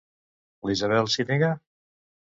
La Isabel s'hi nega?